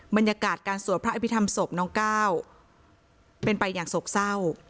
บรรยากาศการสวดพระอภิษฐรรมศพน้องก้าวเป็นไปอย่างโศกเศร้า